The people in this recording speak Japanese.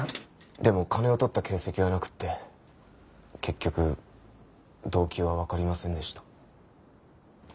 でも金を取った形跡はなくて結局動機はわかりませんでした。